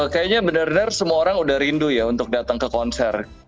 kayaknya benar benar semua orang udah rindu ya untuk datang ke konser